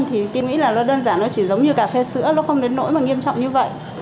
thì tôi nghĩ là nó đơn giản nó chỉ giống như cà phê sữa nó không đến nỗi mà nghiêm trọng như vậy